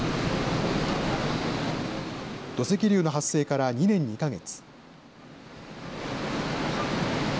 土石流の発生から２年２か月。